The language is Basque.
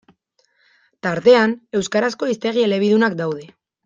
Tartean, euskarazko hiztegi elebidunak daude.